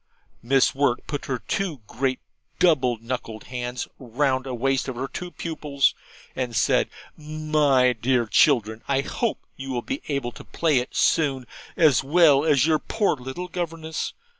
Miss Wirt put her two great double knuckled hands round a waist of her two pupils, and said, 'My dear children, I hope you will be able to play it soon as well as your poor little governess.